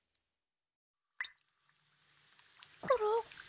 コロ？